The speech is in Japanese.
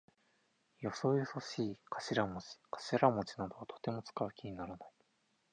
よそよそしい頭文字かしらもじなどはとても使う気にならない。